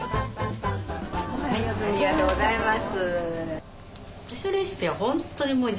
ありがとうございます。